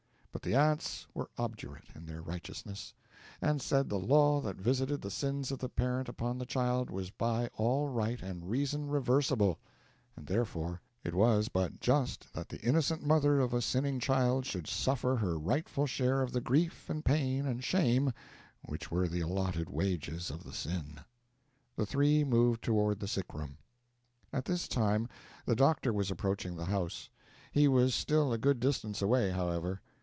But the aunts were obdurate in their righteousness, and said the law that visited the sins of the parent upon the child was by all right and reason reversible; and therefore it was but just that the innocent mother of a sinning child should suffer her rightful share of the grief and pain and shame which were the allotted wages of the sin. The three moved toward the sick room. At this time the doctor was approaching the house. He was still a good distance away, however.